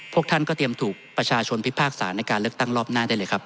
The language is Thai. พวกท่านก็เตรียมถูกประชาชนพิพากษาในการเลือกตั้งรอบหน้าได้เลยครับ